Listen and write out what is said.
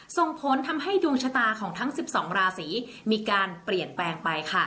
ส่งผลทำให้ดวงชะตาของทั้ง๑๒ราศีมีการเปลี่ยนแปลงไปค่ะ